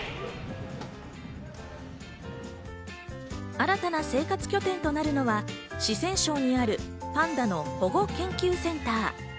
新たな生活拠点となるのは四川省にあるパンダの保護研究センター。